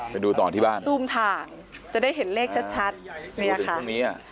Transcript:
ไปดูต่อที่บ้านซูมถ่างจะได้เห็นเลขชัดเนี่ยค่ะตรงนี้อ่ะ